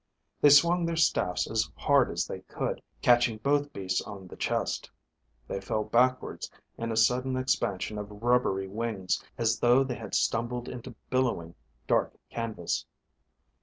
They swung their staffs as hard as they could, catching both beasts on the chest. They fell backwards in a sudden expansion of rubbery wings, as though they had stumbled into billowing dark canvas.